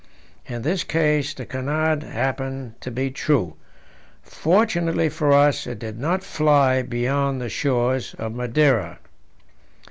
In this case the canard happened to be true. Fortunately for us, it did not fly beyond the shores of Madeira.